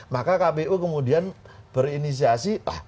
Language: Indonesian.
maka kpu kemudian berinisiasi